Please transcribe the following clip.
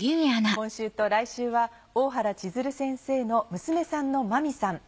今週と来週は大原千鶴先生の娘さんの万実さん